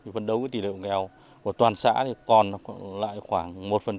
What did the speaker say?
phấn đấu tỷ lệ hộ nghèo của toàn xã còn lại khoảng một